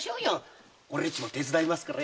俺っちも手伝いますから。